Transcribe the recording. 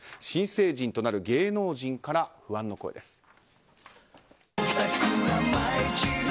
新成人となる芸能人から不安の声です。